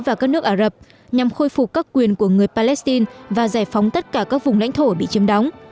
và các nước ả rập nhằm khôi phục các quyền của người palestine và giải phóng tất cả các vùng lãnh thổ bị chiếm đóng